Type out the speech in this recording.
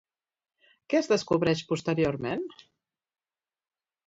Què es descobreix posteriorment?